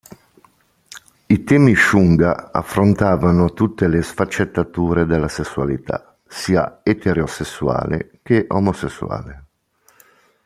I temi shunga affrontavano tutte le sfaccettature della sessualità, sia eterosessuale che omosessuale.